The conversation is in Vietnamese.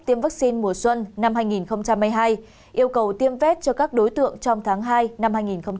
tiêm vaccine mùa xuân năm hai nghìn hai mươi hai yêu cầu tiêm vét cho các đối tượng trong tháng hai năm hai nghìn hai mươi